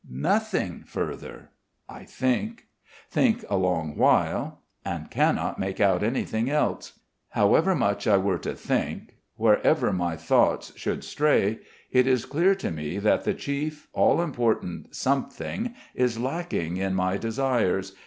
Nothing further. I think, think a long while and cannot make out anything else. However much I were to think, wherever my thoughts should stray, it is clear to me that the chief, all important something is lacking in my desires.